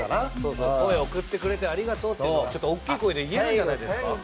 声を送ってくれてありがとうっていうのが大きい声で言えるじゃないですか。